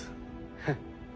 フッ。